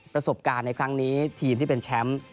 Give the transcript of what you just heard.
ประสบการณ์ในครั้งนี้ทีมที่เป็นแชมป์